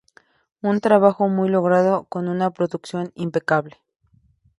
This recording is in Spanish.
Un trabajo muy logrado, con una producción impecable.